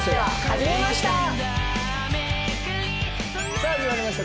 さあ始まりました